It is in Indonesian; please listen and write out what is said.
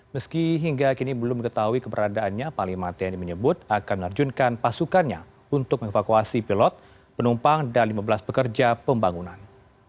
meski hingga kini belum mengetahui keberadaannya panglima tni menyebut akan menerjunkan pasukannya untuk mengevakuasi pilot penumpang dan lima belas pekerja pembangunan